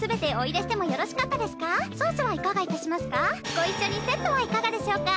ご一緒にセットはいかがでしょうか？